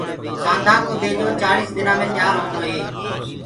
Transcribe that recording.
ڪآنڌآ ڪو ٻيجو چآززݪيِس دنآ مي تآر هوندو هي۔